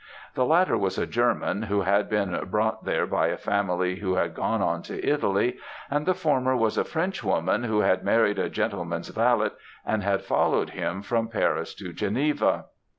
The latter was a German, who had been brought there by a family who had gone on to Italy; and the former was a Frenchwoman, who had married a gentleman's valet, and had followed him from Paris to Geneva.